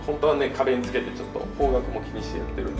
壁につけてちょっと方角も気にしてやってるんですけど。